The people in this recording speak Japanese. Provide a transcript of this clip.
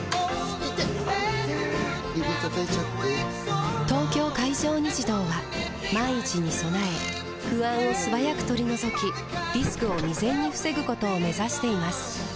指たたいちゃって・・・「東京海上日動」は万一に備え不安を素早く取り除きリスクを未然に防ぐことを目指しています